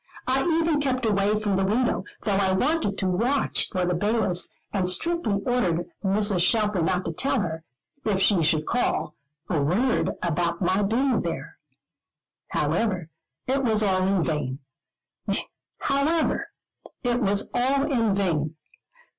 I even kept away from the window, though I wanted to watch for the bailiffs, and strictly ordered Mrs. Shelfer not to tell her, if she should call, a word about my being there. However, it was all in vain.